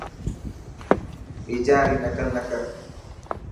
بيجان ري نقل نه ڪر.